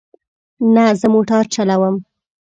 نه، زه موټر چلوم